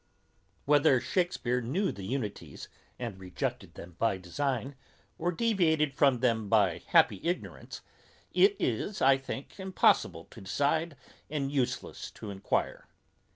Whether Shakespeare knew the unities, and rejected them by design, or deviated from them by happy ignorance, it is, I think, impossible to decide, and useless to enquire.